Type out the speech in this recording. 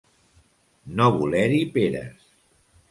No voler-hi peres.